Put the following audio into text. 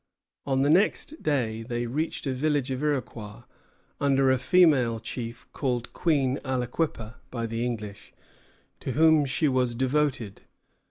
On the next day they reached a village of Iroquois under a female chief, called Queen Alequippa by the English, to whom she was devoted.